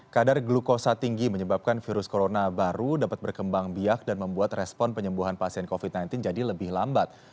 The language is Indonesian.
kadar glukosa tinggi menyebabkan virus corona baru dapat berkembang biak dan membuat respon penyembuhan pasien covid sembilan belas jadi lebih lambat